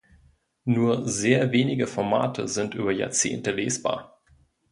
Nur sehr wenige Formate sind über Jahrzehnte lesbar.